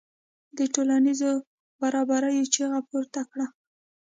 د ټولنیزو برابریو چیغه پورته کړه.